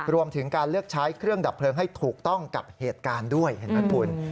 รวมถึงการเลือกใช้เครื่องดับเพลิงให้ถูกต้องกับเหตุการณ์ด้วยเห็นไหมคุณ